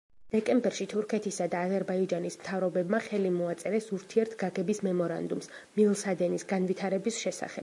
დეკემბერში თურქეთისა და აზერბაიჯანის მთავრობებმა ხელი მოაწერეს ურთიერთგაგების მემორანდუმს მილსადენის განვითარების შესახებ.